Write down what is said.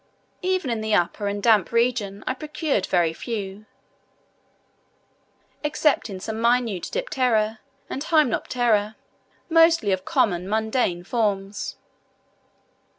Even in the upper and damp region I procured very few, excepting some minute Diptera and Hymenoptera, mostly of common mundane forms.